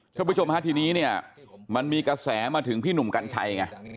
ทุกผู้ชมทีนี้มันมีกระแสมาถึงพี่หนุ่มกันชัย